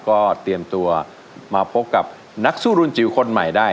ก็เตรียมตัวมาพบกับนักสู้รุ่นจิ๋วคนใหม่ได้